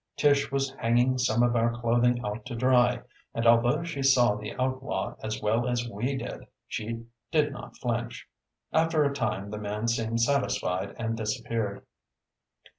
Tish was hanging some of our clothing out to dry, and although she saw the outlaw as well as we did she did not flinch. After a time the man seemed satisfied and disappeared.